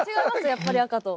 やっぱり赤と。